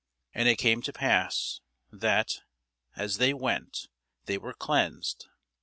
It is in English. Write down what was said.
And it came to pass, that, as they went, they were cleansed.